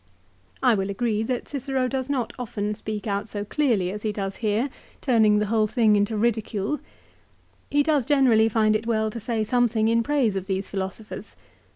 I will agree that Cicero does not often speak out so clearly as he does here, turning the whole thing into ridicule. He does generally find it well to say some thing in praise of these philosophers.